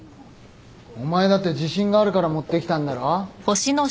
お前だって自信があるから持ってきたんだろ。